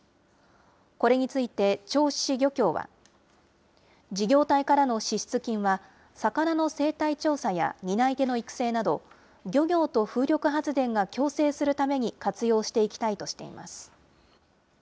これについて銚子市漁協は、事業体からの支出金は魚の生態調査や担い手の育成など、漁業と風力発電が共生するために活用していきたいとしています。